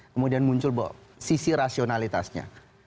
kemudian muncul sisi rasionalitasnya